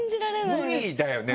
無理だよね？